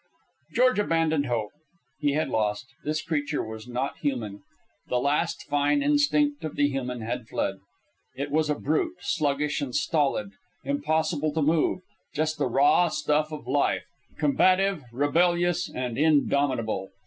George abandoned hope. He had lost. This creature was not human. The last fine instinct of the human had fled. It was a brute, sluggish and stolid, impossible to move just the raw stuff of life, combative, rebellious, and indomitable.